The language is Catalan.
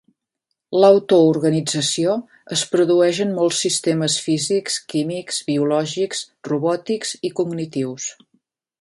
L'auto-organització es produeix en molts sistemes físics, químics, biològics, robòtics i cognitius.